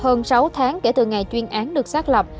hơn sáu tháng kể từ ngày chuyên án được xác lập